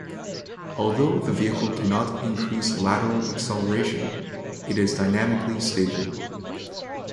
Although the vehicle cannot increase lateral acceleration, it is dynamically stable.